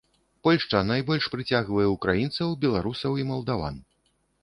Польшча найбольш прыцягвае ўкраінцаў, беларусаў і малдаван.